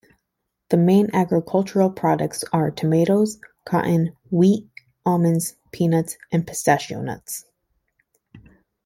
The main agricultural products are tomatoes, cotton, wheat, almonds, peanuts and pistachio nuts.